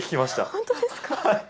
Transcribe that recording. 本当ですか？